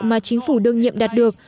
mà chính phủ đương nhiệm đạt được